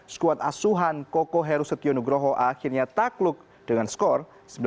skuad asuhan koko herusetio nugroho akhirnya takluk dengan skor sembilan puluh dua delapan puluh tujuh